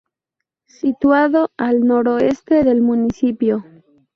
Situado al suroeste del municipio.